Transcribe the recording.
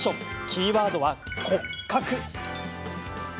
キーワードは骨格。